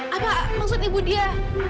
apa maksud ibu dia